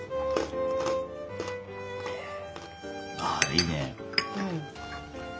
あいいね。